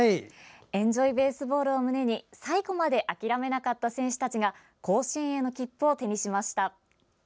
「ＥｎｊｏｙＢａｓｅｂａｌｌ」を胸に最後まで諦めなかった選手たちが甲子園への切符を手にしました。